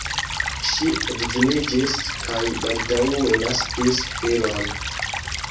Ŝi edziniĝis kaj baldaŭe naskis filon.